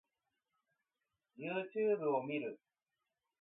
Youtube を見る